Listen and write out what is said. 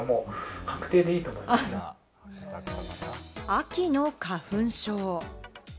秋の花粉症。